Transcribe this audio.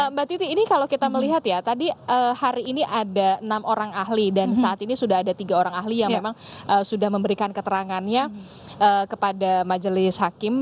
mbak titi ini kalau kita melihat ya tadi hari ini ada enam orang ahli dan saat ini sudah ada tiga orang ahli yang memang sudah memberikan keterangannya kepada majelis hakim